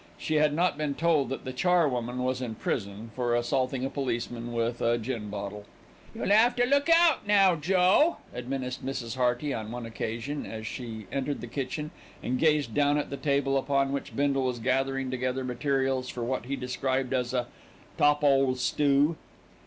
She had not been told that the charwoman was in prison for assaulting a policeman with a gin bottle. "You'll 'ave to look out now, Joe," admonished Mrs. Hearty on one occasion as she entered the kitchen and gazed down at the table upon which Bindle was gathering together materials for what he described as a "top 'ole stoo."